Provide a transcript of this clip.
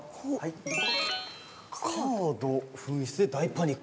「カード紛失で大パニック！」。